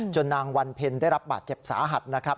นางวันเพ็ญได้รับบาดเจ็บสาหัสนะครับ